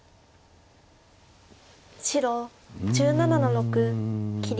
白１７の六切り。